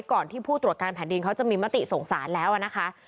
ที่ผู้ตรวจการแผ่นดินเขาจะมีมติส่งสารแล้วนะคะ